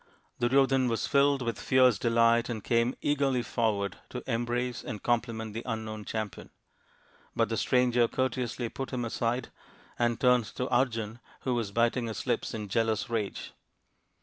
Duryodhan was filled with fierce delight and came eagerly forward to embrace and compliment the unknown champion. But the stranger courteously put him aside and turned to Arjun, who was biting his lips in jealous rage.